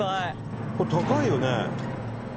これ高いよね。